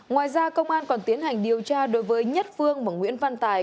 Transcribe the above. ngoài ra công an còn tiến hành điều tra đối với nhất phương và nguyễn văn tài